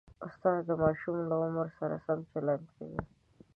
استاد د ماشوم له عمر سره سم چلند کوي.